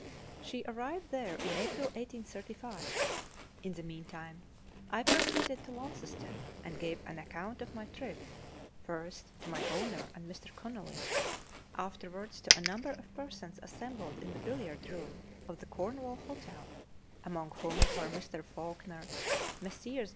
She arrived there in April 1835. In the meantime I proceeded to Launceston and gave an account of my trip, first to my owner and Mr. Conolly ; afterwards to a number of persons assembled in the billiard room of the Cornwall Hotel, among whom were Mr. Fawkner, Messrs.